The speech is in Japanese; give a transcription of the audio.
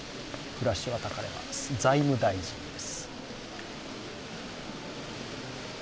財務大臣です。